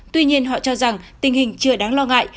tuy nhiên họ cho rằng tình hình chưa đáng lo ngại